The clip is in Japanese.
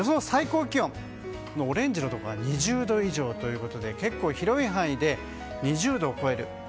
最高気温オレンジのところは２０度以上ということで結構広い範囲で２０度を超える。